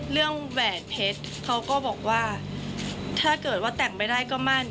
แหวนเพชรเขาก็บอกว่าถ้าเกิดว่าแต่งไม่ได้ก็มั่น